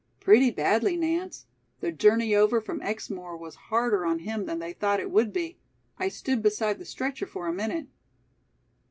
"Pretty badly, Nance. The journey over from Exmoor was harder on him than they thought it would be. I stood beside the stretcher for a minute."